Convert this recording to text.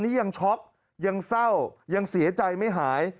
นี่ยังช็อกยังเศร้ายังเสียใจไม่หาย